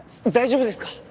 大丈夫ですか？